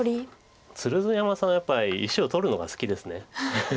鶴山さんはやっぱり石を取るのが好きですね。